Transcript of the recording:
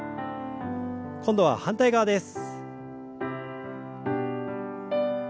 今度は反対側です。